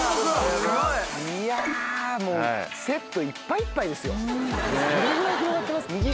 いやもうセットいっぱいいっぱいですよ。ねぇ。